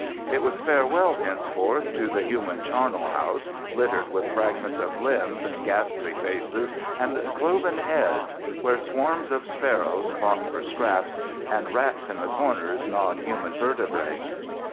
It was farewell, henceforth, to the "human charnel house, littered with fragments of limbs, ghastly faces and cloven heads ... where swarms of sparrows fought for scraps and rats in the corners gnawed human vertebrae."